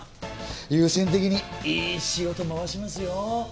優先的にいい仕事回しますよ。